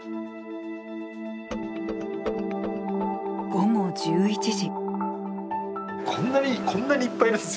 午後１１時。